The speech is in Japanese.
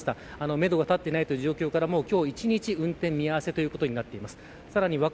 めどが立っていない状況から今日一日運転見合わせということです。